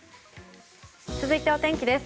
続いてお天気です。